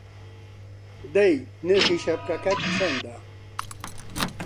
دەی نرخی شەپکەکەت چەندە!